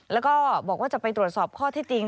แล้วก็บอกว่าจะไปตรวจสอบข้อที่จริง